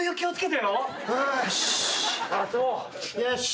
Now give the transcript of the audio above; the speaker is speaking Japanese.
よし。